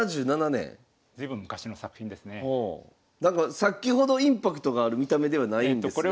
さっきほどインパクトがある見た目ではないんですが。